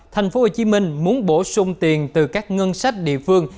tp hcm muốn bổ sung tiền từ các ngân sách địa phương